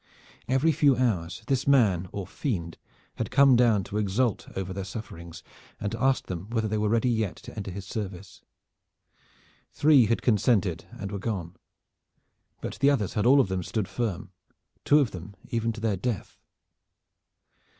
Every few hours this man or fiend had come down to exult over their sufferings and to ask them whether they were ready yet to enter his service. Three had consented and were gone. But the others had all of them stood firm, two of them even to their death.